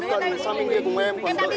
nếu mà cần thì sang bên kia cùng em